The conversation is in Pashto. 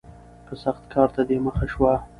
که سخت کار ته دې مخه شوه